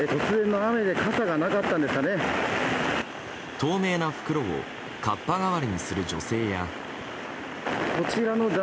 透明な袋をかっぱ代わりにする女性や。